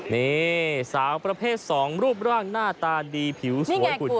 นี่สาวประเภท๒รูปร่างหน้าตาดีเขียงสวยบุตรดี